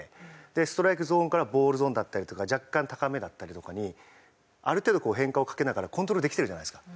ストライクゾーンからボールゾーンだったりとか若干高めだったりとかにある程度変化をかけながらコントロールできてるじゃないですか。